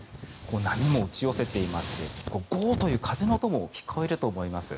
波も打ち寄せていましてゴーッという風の音も聞こえると思います。